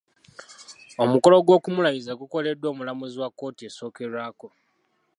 Omukolo gw’okumulayiza gukoleddwa omulamuzi wa kkooti esookerwako .